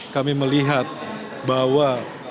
kami melihat bahwa